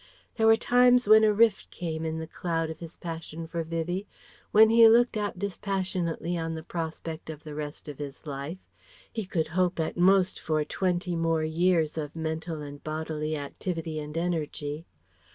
There were times when a rift came in the cloud of his passion for Vivie, when he looked out dispassionately on the prospect of the rest of his life he could hope at most for twenty more years of mental and bodily activity and energy.